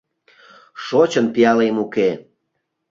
Шочын пиалем уке.